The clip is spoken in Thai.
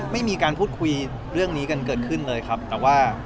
ไม่มีการพูดคุยเรื่องนี้กันเกิดขึ้นเลยครับแต่ว่า